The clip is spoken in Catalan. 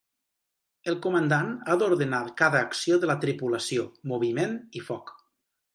El comandant ha d'ordenar cada acció de la tripulació, moviment i foc.